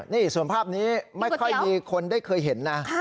นี่ส่วนภาพนี้ไม่ค่อยมีคนได้เคยเห็นนะ